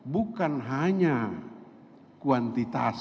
bukan hanya kuantitas